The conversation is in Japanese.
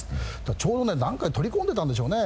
ちょうどね、なんかで取り込んでたんでしょうね。